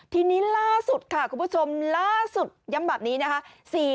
ทีนี้ล่าสุดค่ะคุณผู้ชมล่าสุดย้ำแบบนี้นะคะ